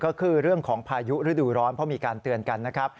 ก็คือเรื่องของพายุฤดูร้อนเพราะมีการเตือนกันนะครับ